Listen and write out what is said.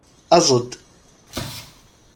Aẓ-d!